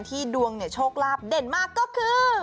ที่ดวงโชคลาฟเด่นมากก็คือ